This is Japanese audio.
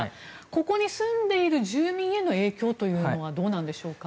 ここに住んでいる住民への影響というのはどうなんでしょうか。